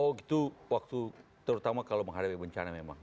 oh gitu waktu terutama kalau menghadapi bencana memang